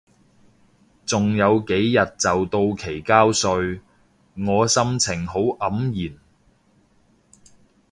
仲有幾日就到期交稅，我心情好黯然